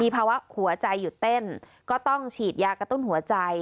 ภาวะหัวใจหยุดเต้นก็ต้องฉีดยากระตุ้นหัวใจ